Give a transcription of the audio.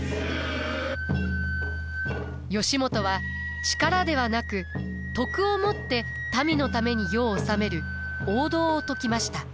義元は力ではなく徳をもって民のために世を治める王道を説きました。